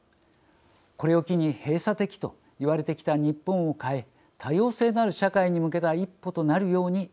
これを機に閉鎖的と言われてきた日本を変え多様性のある社会に向けた一歩となるように望みます。